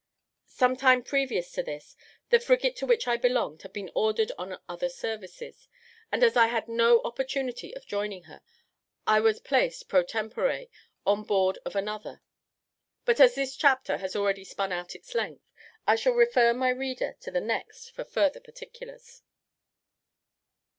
Some time previous to this, the frigate to which I belonged had been ordered on other services; and as I had no opportunity of joining her, I was placed, pro tempore, on board of another. But as this chapter has already spun out its length, I shall refer my reader to the next for further particulars.